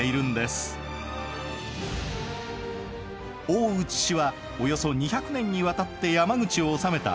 大内氏はおよそ２００年にわたって山口を治めた室町時代の守護大名。